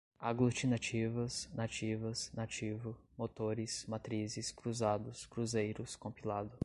aglutinativas, nativas, nativo, motores, matrizes, cruzados, cruzeiros, compilado